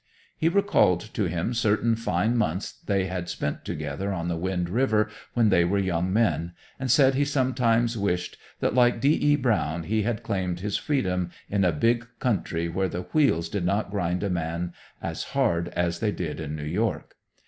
He recalled to him certain fine months they had spent together on the Wind River when they were young men, and said he sometimes wished that like D. E. Brown, he had claimed his freedom in a big country where the wheels did not grind a man as hard as they did in New York.